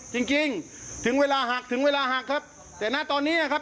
จริงจริงถึงเวลาหักถึงเวลาหักครับแต่นะตอนนี้นะครับ